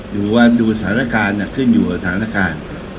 ดูว่าดูสถานการณ์ขึ้นอยู่กับสถานการณ์